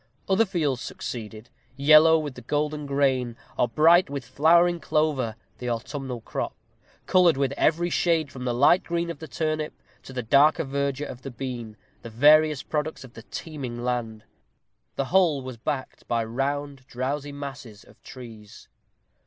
Other fields succeeded, yellow with golden grain, or bright with flowering clover the autumnal crop colored with every shade, from the light green of the turnip to the darker verdure of the bean, the various products of the teeming land. The whole was backed by round drowsy masses of trees.